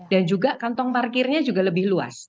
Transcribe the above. dan juga kantong parkirnya juga lebih luas